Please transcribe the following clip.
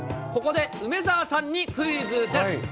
ここで梅澤さんにクイズです。